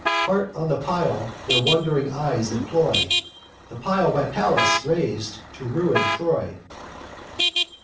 Part on the pile their wond'ring eyes employ: The pile by Pallas rais'd to ruin Troy.